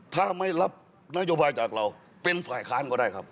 ถ้าไม่รับนโยบายจากเราเป็นฝ่ายค้านก็ได้ครับ